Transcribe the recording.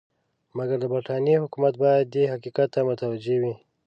مګر د برټانیې حکومت باید دې حقیقت ته متوجه وي.